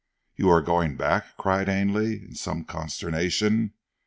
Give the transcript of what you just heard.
"You are going back?" cried Ainley in some consternation.